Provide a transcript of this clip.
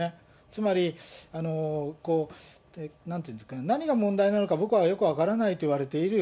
つまり、なんて言うんですかね、何が問題なのか、僕はよく分からないと言われている。